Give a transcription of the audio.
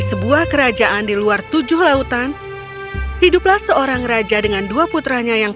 beberapa hari apelnya akan menghilang